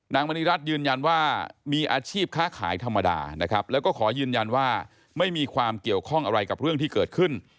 มณีรัฐยืนยันว่ามีอาชีพค้าขายธรรมดานะครับแล้วก็ขอยืนยันว่าไม่มีความเกี่ยวข้องอะไรกับเรื่องที่เกิดขึ้น